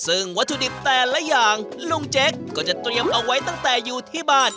ซึ่งวัตถุดิบแต่ละอย่างลุงเจ๊กก็จะเตรียมเอาไว้ตั้งแต่อยู่ที่บ้าน